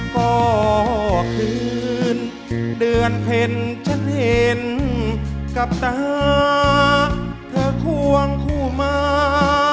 ก็คืนเดือนเพ็ญฉันเห็นกับตาเธอควงคู่มา